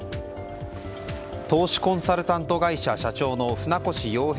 投資コンサルタント会社社長の船越洋平